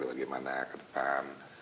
bagaimana ke depan